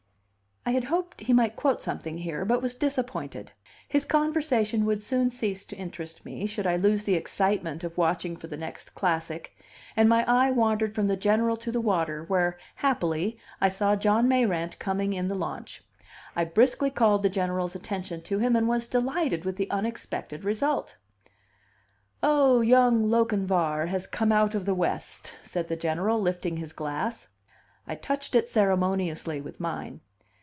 I had hoped he might quote something here, but was disappointed. His conversation would soon cease to interest me, should I lose the excitement of watching for the next classic; and my eye wandered from the General to the water, where, happily, I saw John Mayrant coming in the launch. I briskly called the General's attention to him, and was delighted with the unexpected result. "'Oh, young Lochinvar has come out of the West,'" said the General, lifting his glass. I touched it ceremoniously with mine.